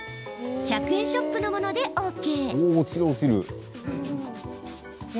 １００円ショップのものでＯＫ。